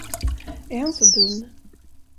Är han så dum?